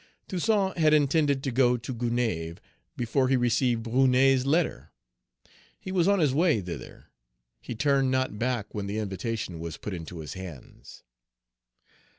Toussaint had intended to go to Gonaïves before he received Brunet's letter. He was on his way thither; he turned not back when the invitation was put into his hands.